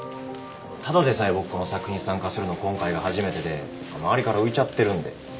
ただでさえ僕この作品参加するの今回が初めてで周りから浮いちゃってるんで。